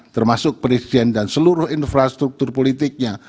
termasuk presiden dan seluruh infrastruktur politiknya